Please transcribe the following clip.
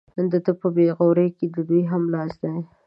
د ده په بې غورۍ کې د دوی هم لاس دی.